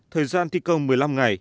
thời gian thi công một mươi năm ngày